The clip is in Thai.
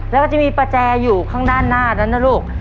แล้วก็จะมีประแจอยู่ข้างด้านหน้านั้นนะลูก